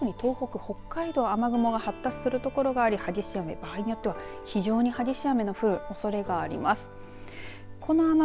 特に東北、北海道雨雲が発達するところがあり激しい雨場合によっては非常に激しい雨の降るおそれがあります。